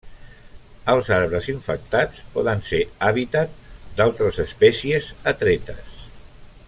Els arbres infectats poden ser hàbitat d'altres espècies atretes.